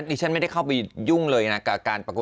ดิฉันไม่ได้เข้าไปยุ่งเลยนะกับการปรากฏ